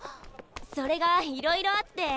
それがいろいろあって。